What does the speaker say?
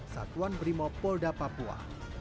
satuan brimopolda papua